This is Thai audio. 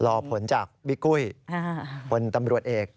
รอผลจากบิ๊กปุ้ยผลตำรวจเอก